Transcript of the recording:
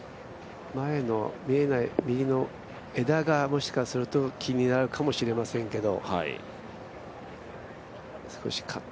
前の見えない、右の枝がもしかすると気になるかもしれませんけど。